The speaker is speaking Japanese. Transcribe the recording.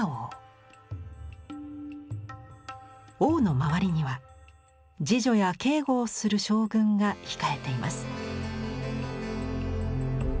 王の周りには侍女や警護をする将軍が控えています。